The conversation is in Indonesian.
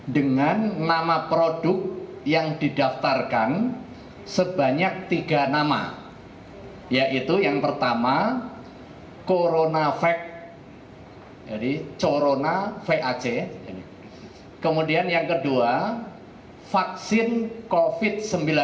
dengan nama produk yang didaftarkan sebanyak tiga nama yaitu yang pertama coronavac jadi corona vac kemudian yang kedua vaksin covid sembilan belas